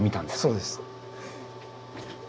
そうです。